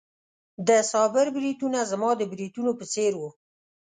د صابر بریتونه زما د بریتونو په څېر وو.